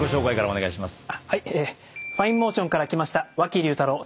お願いします。